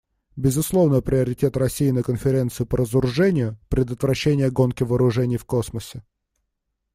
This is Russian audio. Безусловный приоритет России на Конференции по разоружению − предотвращение гонки вооружений в космосе.